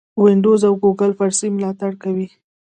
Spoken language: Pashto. وینډوز او ګوګل فارسي ملاتړ کوي.